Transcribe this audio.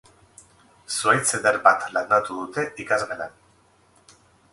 Zuhaitz eder bat landatu dute ikasgelan.